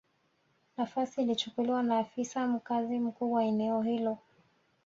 Nafasi ilichukuliwa na afisa mkazi mkuu wa eneo hilo